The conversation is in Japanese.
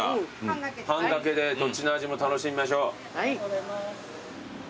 半掛けでどっちの味も楽しみましょう。